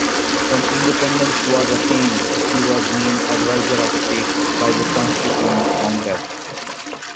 When independence was attained, he was named advisor of state by the constituent congress.